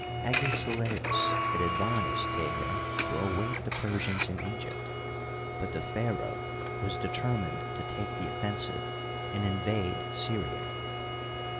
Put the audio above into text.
Agesilaos had advised Teher to await the Persians in Egypt, but the pharaoh was determined to take the offen sive and invade Syria.